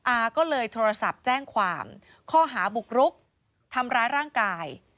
อาก็เลยโทรศัพท์แจ้งความข้อหาบุกรุกทำร้ายร่างกาย